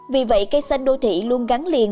vì vậy cây xanh đô thị luôn gắn liền